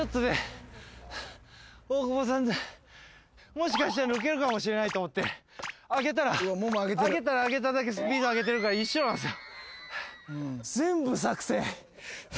もしかしたら抜けるかもしれないと思って上げたら上げたら上げただけスピード上げてるから一緒なんすよ。